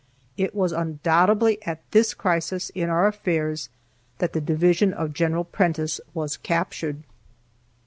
It was undoubtedly at this crisis in our affairs that the division of General Prentiss was captured.